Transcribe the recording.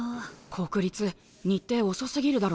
国立日程遅すぎるだろ。